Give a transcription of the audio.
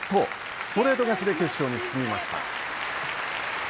ストレート勝ちで決勝に進みました。